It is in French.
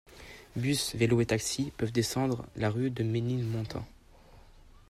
Bus, vélos et taxis peuvent descendre la rue de Ménilmontant.